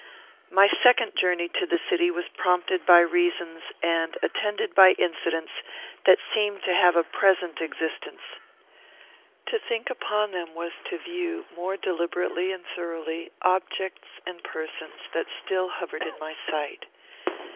My second journey to the city was prompted by reasons, and attended by incidents, that seemed to have a present existence. To think upon them was to view, more deliberately and thoroughly, objects and persons that still hovered in my sight.